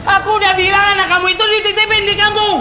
aku udah bilang anak kamu itu dititipin di kampung